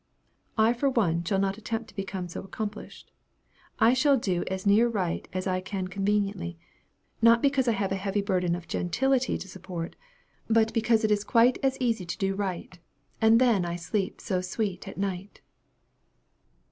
I, for one, shall not attempt to become so accomplished. I shall do as near right as I can conveniently, not because I have a heavy burden of gentility to support, but because it is quite as easy to do right, 'And then I sleep so sweet at night.'